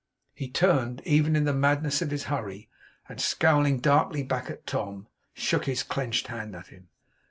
He turned, even in the madness of his hurry, and scowling darkly back at Tom, shook his clenched hand at him.